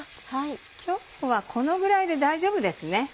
今日はこのぐらいで大丈夫ですね。